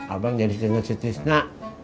abang jadi sekejenget si cisna